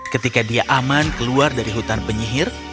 ketika dia aman keluar dari hutan penyihir